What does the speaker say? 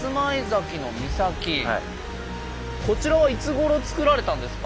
こちらはいつごろ造られたんですか？